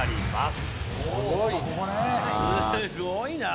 すごいな。